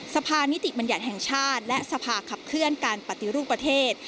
สภานิติบัญญัติแห่งชาติและสภาขับเคลื่อนการปฏิรูปประเทศ